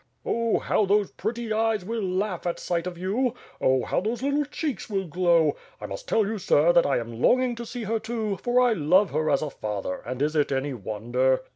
Oh, how those pretty eyes will laugh at sight of you! Oh, how those little cheeks will glow! I must tell you, sir, that I am longing to see her too, for I love her as a father, and is it any wonder?